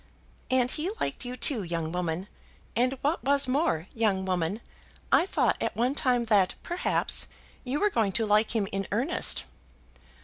"And he liked you too, young woman; and, what was more, young woman, I thought at one time that, perhaps, you were going to like him in earnest."